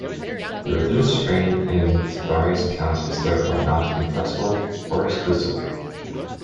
The religious frame in Tabari's account is therefore not inflexible or exclusive.